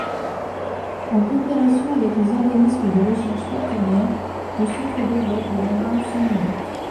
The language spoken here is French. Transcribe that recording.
En coopération avec les organismes de recherche partenaires, le Centre développe des membranes céramiques.